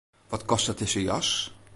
Wat kostet dizze jas?